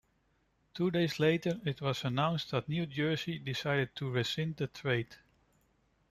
Two days later, it was announced that New Jersey decided to rescind the trade.